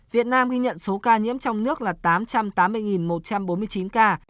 việt nam ghi nhận số ca nhiễm trong nước là tám trăm tám mươi một trăm bốn mươi chín ca